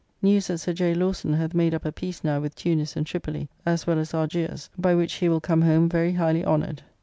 Newes that Sir J. Lawson hath made up a peace now with Tunis and Tripoli, as well as Argiers, by which he will come home very highly honoured.